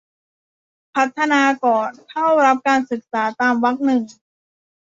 พัฒนาก่อนเข้ารับการศึกษาตามวรรคหนึ่ง